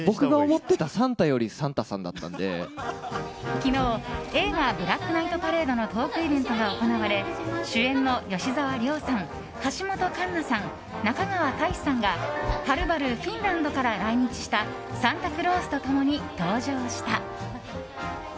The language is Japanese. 昨日、映画「ブラックナイトパレード」のトークイベントが行われ主演の吉沢亮さん橋本環奈さん、中川大志さんがはるばるフィンランドから来日したサンタクロースと共に登場した。